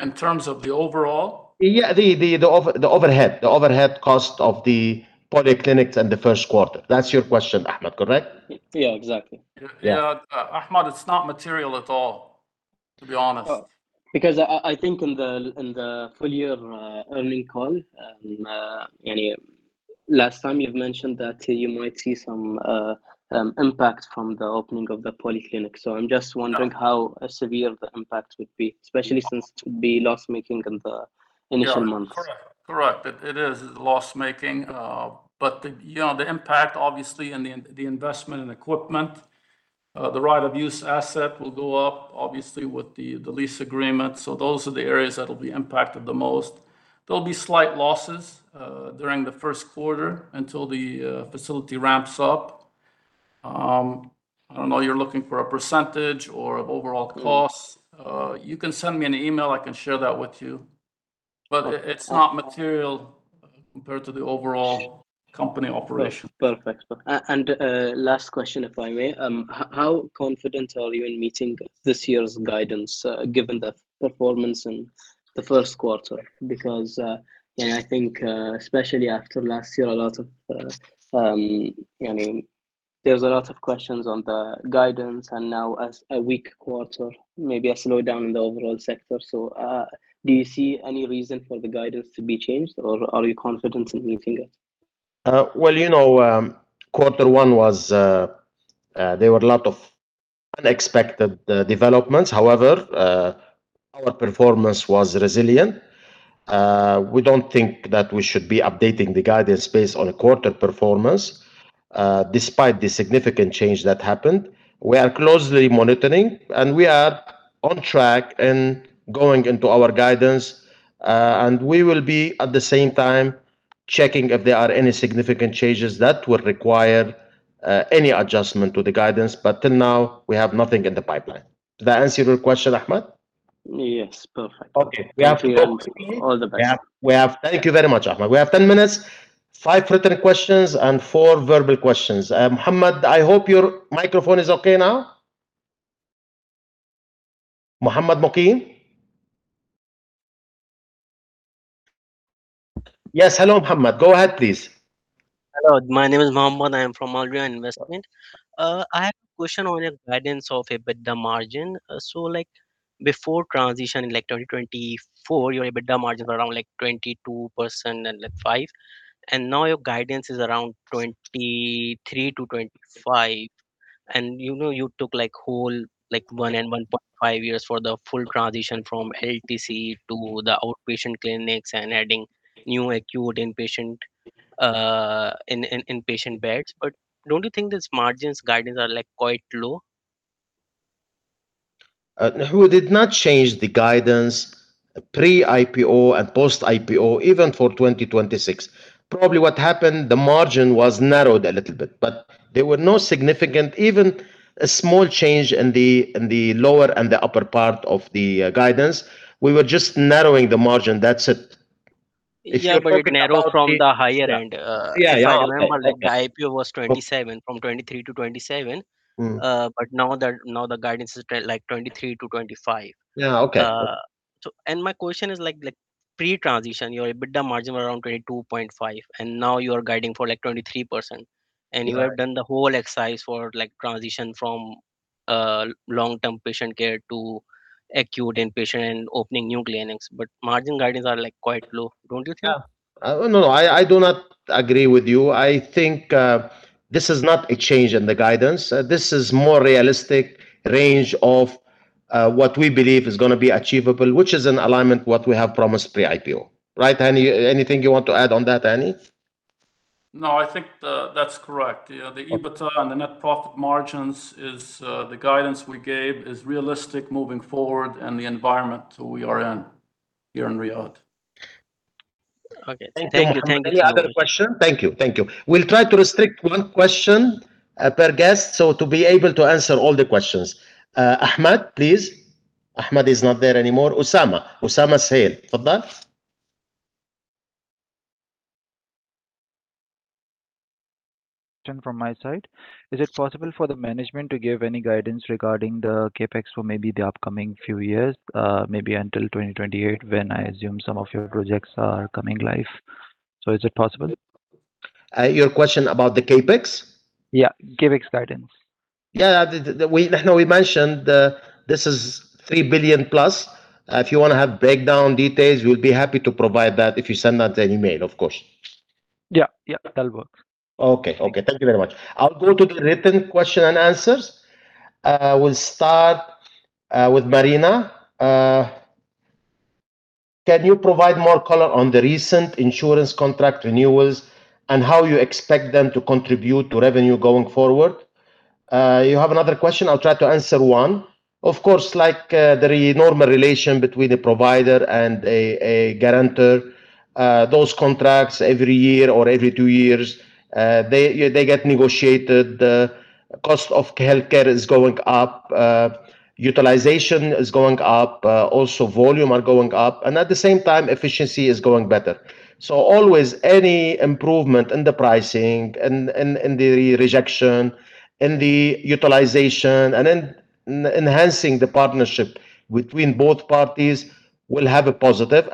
In terms of the overall? Yeah. The overhead cost of the polyclinics in the first quarter. That's your question, Ahmed, correct? Yeah, exactly. Yeah. You know, Ahmed, it's not material at all, to be honest. Oh. Because I think in the full year earnings call, Hani, last time you've mentioned that you might see some impact from the opening of the polyclinic. I'm just wondering. No how severe the impact would be, especially since it would be loss-making in the initial months. Yeah. Correct. It is loss-making. The, you know, the impact obviously and the investment in equipment, the right of use asset will go up obviously with the lease agreement. Those are the areas that'll be impacted the most. There'll be slight losses during the first quarter until the facility ramps up. I don't know if you're looking for a percentage or of overall costs. No. You can send me an email. I can share that with you. Okay. It's not material compared to the overall company operation. Sure. Perfect. Last question, if I may. How confident are you in meeting this year's guidance, given the performance in the 1st quarter? You know, I think, especially after last year, a lot of, I mean, there is a lot of questions on the guidance and now as a weak quarter, maybe a slowdown in the overall sector. Do you see any reason for the guidance to be changed, or are you confident in meeting it? Well, you know, quarter one was, there were a lot of unexpected developments. Our performance was resilient. We don't think that we should be updating the guidance based on a quarter performance, despite the significant change that happened. We are closely monitoring, we are on track in going into our guidance. We will be at the same time checking if there are any significant changes that would require any adjustment to the guidance. Till now, we have nothing in the pipeline. Does that answer your question, Ahmed? Yes. Perfect. Okay. We have 10- Thank you. All the best Thank you very much, Ahmed. We have 10 minutes, five written questions and four verbal questions. Mohammed, I hope your microphone is okay now. Mohammed Muqeem. Yes. Hello, Mohammed. Go ahead, please. Hello. My name is Mohammed. I am from Al Rayan Investment. I have a question on your guidance of EBITDA margin. Before transition in 2024, your EBITDA margin were around 22% and 5. Now your guidance is around 23%-25%. You know, you took whole 1 and 1.5 years for the full transition from LTC to the outpatient clinics and adding new acute inpatient beds. Don't you think these margins guidance are quite low? No, we did not change the guidance pre-IPO and post-IPO, even for 2026. Probably what happened, the margin was narrowed a little bit, but there were no significant, even a small change in the lower and the upper part of the guidance. We were just narrowing the margin, that's it. Yeah, it narrowed from the higher end. Yeah, yeah. Okay, okay. if I remember, like, the IPO was 27, from 23-27. Now the, now the guidance is like, 23 to 25. Yeah, okay. My question is, like, pre-transition, your EBITDA margin were around 22.5, and now you are guiding for, like, 23%. Yeah. You have done the whole exercise for, like, transition from long-term patient care to acute inpatient and opening new clinics, but margin guidance are, like, quite low, don't you think? Yeah. No, I do not agree with you. I think this is not a change in the guidance. This is more realistic range of what we believe is gonna be achievable, which is in alignment what we have promised pre-IPO, right, Hani? Anything you want to add on that, Hani? No, I think that's correct. Yeah, the EBITDA and the net profit margins is the guidance we gave is realistic moving forward in the environment we are in here in Riyadh. Okay. Thank you. Thank you. Thank you. Hani, any other question? Thank you. Thank you. We'll try to restrict one question per guest so to be able to answer all the questions. Ahmad, please. Ahmad is not there anymore. Usama Saleh, Fadhel. From my side. Is it possible for the management to give any guidance regarding the CapEx for maybe the upcoming few years, maybe until 2028 when I assume some of your projects are coming live? Is it possible? Your question about the CapEx? Yeah, CapEx guidance. Yeah. The, no, we mentioned, this is 3 billion plus. If you wanna have breakdown details, we'll be happy to provide that if you send us an email, of course. Yeah, yeah. That'll work. Okay, okay. Thank you very much. I'll go to the written question and answers. We'll start with Marina. Can you provide more color on the recent insurance contract renewals and how you expect them to contribute to revenue going forward? You have another question? I'll try to answer one. Of course, like, the normal relation between the provider and a guarantor, those contracts every year or every 2 years, they, yeah, they get negotiated. The cost of healthcare is going up. Utilization is going up. Also volume are going up and, at the same time, efficiency is going better. Always any improvement in the pricing, in the rejection, in the utilization, and in enhancing the partnership between both parties will have a positive.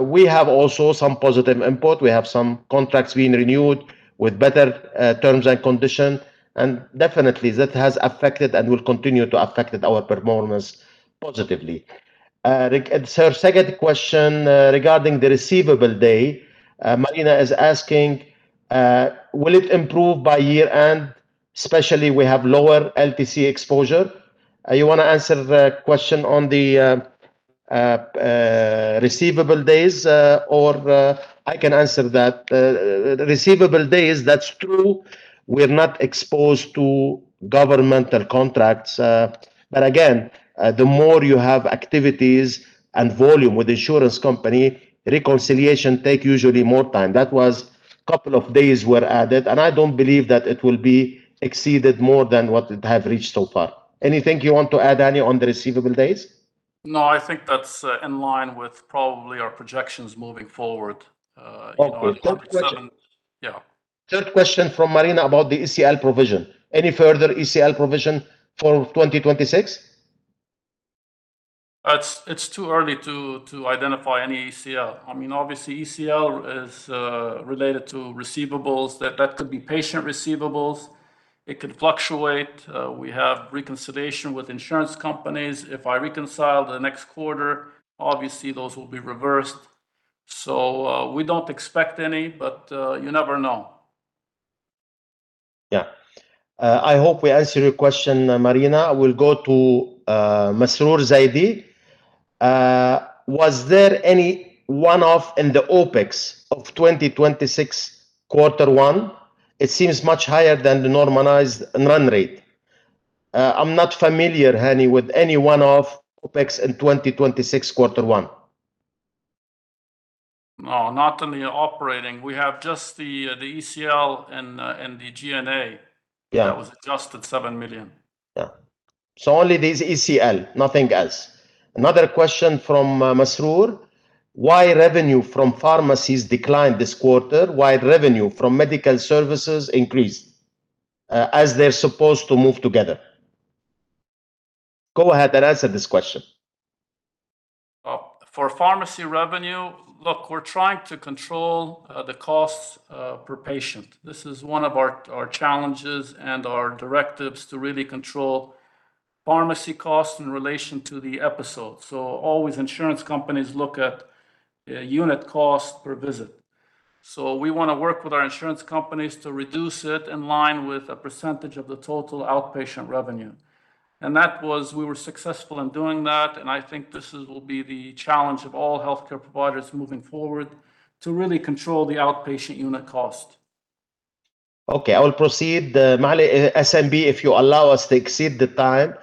We have also some positive input. We have some contracts being renewed with better terms and conditions, definitely that has affected and will continue to affect our performance positively. Her second question, regarding the receivable days, Marina is asking, "Will it improve by year end, especially we have lower LTC exposure?" You wanna answer the question on the receivable days or I can answer that. The receivable days, that's true. We're not exposed to governmental contracts. Again, the more you have activities and volume with insurance companies, reconciliation takes usually more time. That was 2 days were added, I don't believe that it will be exceeded more than what it has reached so far. Anything you want to add, Hani, on the receivable days? No, I think that's in line with probably our projections moving forward, you know, in 2027. Okay. Third question. Yeah. Third question from Marina about the ECL provision. Any further ECL provision for 2026? It's too early to identify any ECL. I mean, obviously ECL is related to receivables. That could be patient receivables. It could fluctuate. We have reconciliation with insurance companies. If I reconcile the next quarter, obviously those will be reversed. We don't expect any, but you never know. Yeah. I hope we answered your question, Marina. We'll go to Masroor Zaidi. "Was there any one-off in the OpEx of 2026 quarter one? It seems much higher than the normalized run rate." I'm not familiar, Hani, with any one-off OpEx in 2026 quarter one. No, not in the operating. We have just the ECL and the G&A. Yeah that was adjusted 7 million. Only this ECL, nothing else. Another question from Masroor: "Why revenue from pharmacies declined this quarter while revenue from medical services increased, as they're supposed to move together?" Go ahead and answer this question. Well, for pharmacy revenue, look, we're trying to control the costs per patient. This is one of our challenges and our directives to really control pharmacy costs in relation to the episode. Always insurance companies look at unit cost per visit. We wanna work with our insurance companies to reduce it in line with a percentage of the total outpatient revenue. That was, we were successful in doing that, and I think this will be the challenge of all healthcare providers moving forward to really control the outpatient unit cost. Okay. I will proceed. SMC, if you allow us to exceed the time,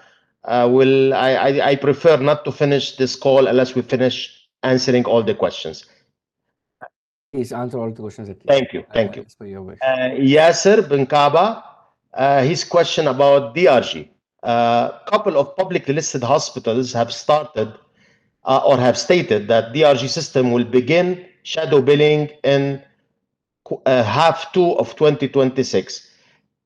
I prefer not to finish this call unless we finish answering all the questions. Please answer all the questions. Thank you. Thank you. for your wish. Yasser Ben Kaba, his question about DRG. Couple of public listed hospitals have started, or have stated that DRG system will begin shadow billing in half 2 of 2026.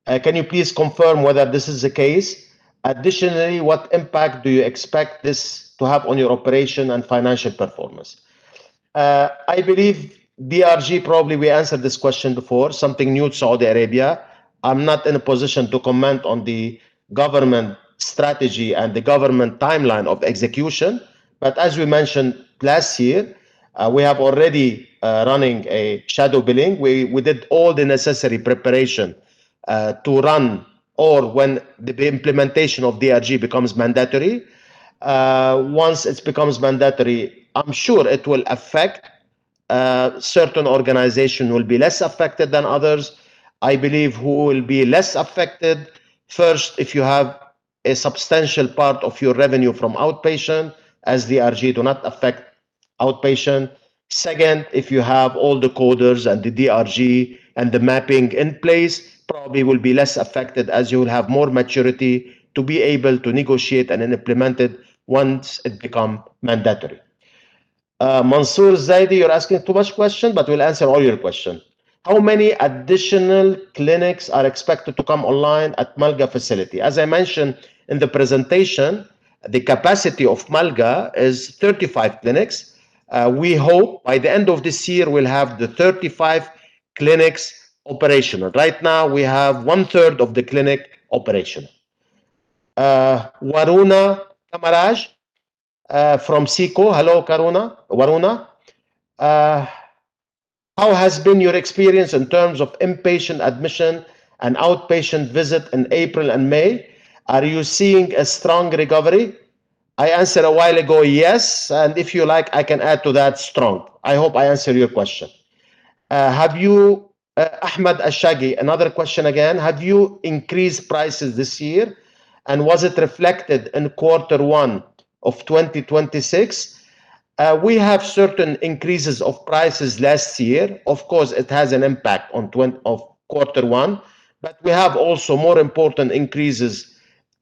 Can you please confirm whether this is the case? Additionally, what impact do you expect this to have on your operation and financial performance? I believe DRG, probably we answered this question before, something new to Saudi Arabia. I'm not in a position to comment on the government strategy and the government timeline of execution, but as we mentioned last year, we have already running a shadow billing. We did all the necessary preparation to run, or when the implementation of DRG becomes mandatory. Once it's becomes mandatory, I'm sure it will affect, certain organization will be less affected than others. I believe who will be less affected, first, if you have a substantial part of your revenue from outpatient, as DRG do not affect outpatient. Second, if you have all the coders and the DRG and the mapping in place, probably will be less affected as you will have more maturity to be able to negotiate and then implement it once it become mandatory. Masroor Zaidi, you're asking too much question. We'll answer all your question. "How many additional clinics are expected to come online at Malqa facility?" As I mentioned in the presentation, the capacity of Malqa is 35 clinics. We hope by the end of this year we'll have the 35 clinics operational. Right now, we have one-third of the clinic operational. Varuna Kamaraj, from SECO. Hello Caruna, Waruna. How has been your experience in terms of inpatient admission and outpatient visit in April and May? Are you seeing a strong recovery?" I answered a while ago, yes, and if you like, I can add to that strong. I hope I answered your question. Have you, Ahmed Elshaky, another question again. "Have you increased prices this year, and was it reflected in quarter 1 of 2026?" We have certain increases of prices last year. Of course, it has an impact on quarter 1, but we have also more important increases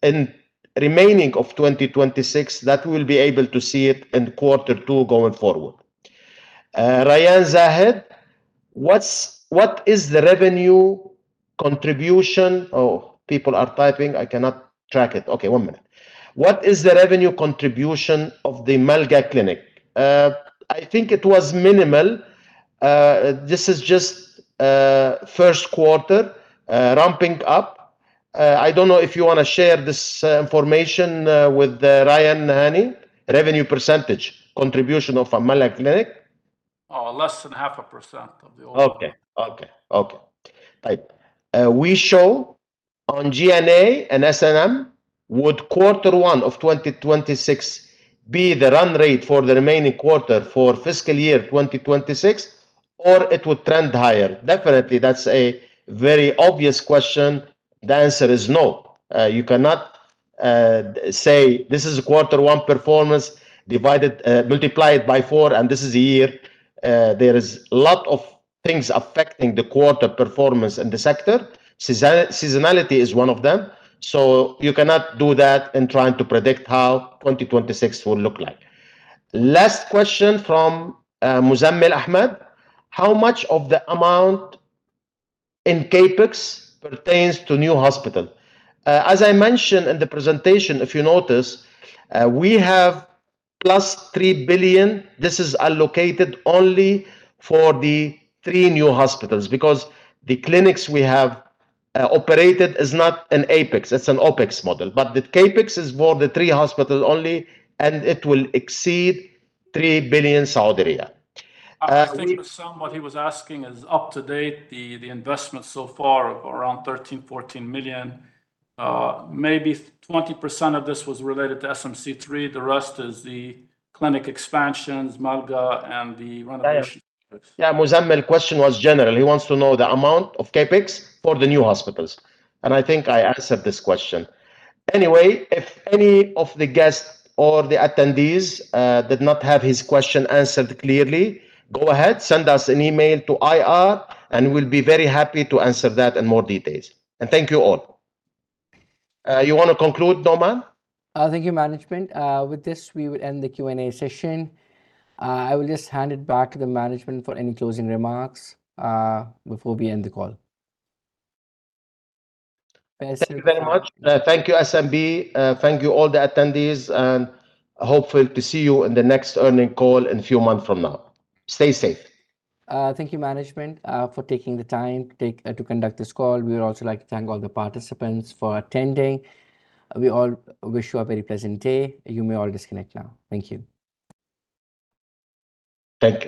in remaining of 2026 that we'll be able to see it in quarter 2 going forward. Ryan Zahed, "What is the revenue contribution" Oh, people are typing. I cannot track it. Okay, 1 minute. "What is the revenue contribution of the Al Malqa clinic?" I think it was minimal. This is just first quarter ramping up. I don't know if you wanna share this information with Ryan Zahed, Hani Shaarani, revenue % contribution of Al Malqa clinic? Oh, less than half a % of the overall. Okay. "We show on G&A and S&M would quarter 1 of 2026 be the run rate for the remaining quarter for fiscal year 2026, or it would trend higher?" Definitely, that's a very obvious question. The answer is no. You cannot say this is quarter 1 performance divided, multiplied by four, and this is the year. There is lot of things affecting the quarter performance in the sector. Seasonality is one of them, so you cannot do that in trying to predict how 2026 will look like. Last question from Muzamil Ahmed. "How much of the amount in CapEx pertains to new hospital?" As I mentioned in the presentation, if you notice, we have plus 3 billion. This is allocated only for the three new hospitals because the clinics we have operated is not an OpEx, it's an OpEx model. The CapEx is for the three hospitals only, and it will exceed 3 billion Saudi riyal. I think the sum what he was asking is up to date, the investment so far of around 13 million, 14 million, maybe 20% of this was related to SMC 3. The rest is the clinic expansions, Al Malqa, and the renovation. Yeah. Yeah. Muzamil question was general. He wants to know the amount of CapEx for the new hospitals. I think I answered this question. Anyway, if any of the guests or the attendees did not have his question answered clearly, go ahead, send us an email to IR. We'll be very happy to answer that in more details. Thank you all. You wanna conclude, Numan? Thank you management. With this, we will end the Q&A session. I will just hand it back to the management for any closing remarks before we end the call. Thank you very much. Thank you SMC. Thank you all the attendees, and hopeful to see you in the next earning call in a few months from now. Stay safe. Thank you management, for taking the time to conduct this call. We would also like to thank all the participants for attending. We all wish you a very pleasant day. You may all disconnect now. Thank you. Thank you.